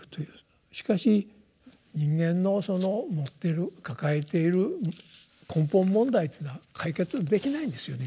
しかし人間の持ってる抱えている根本問題というのは解決できないんですよね。